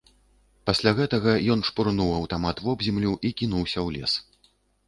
Пасля гэтага ён шпурнуў аўтамат вобземлю і кінуўся ў лес.